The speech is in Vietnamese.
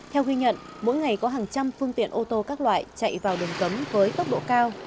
theo ghi nhận mỗi ngày có hàng trăm phương tiện ô tô các loại chạy vào đường cấm với tốc độ cao